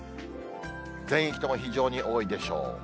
全域とも非常に多いでしょう。